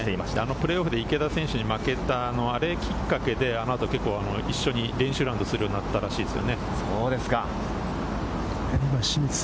プレーオフで池田選手に負けた、あれきっかけで、あのあと一緒にラウンドするようになったらしいですよ。